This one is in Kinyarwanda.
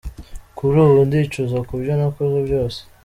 Kuri ubu ndicuza kubyo nakoze byose”.